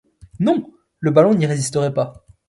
Non! le ballon n’y résisterait pas.